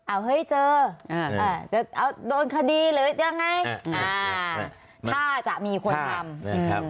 เอาเฮ้ยเจอจะเอาโดนคดีหรือยังไงอ่าถ้าจะมีคนทำนะครับ